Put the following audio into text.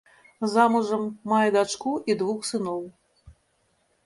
Замужам, мае дачку і двух сыноў.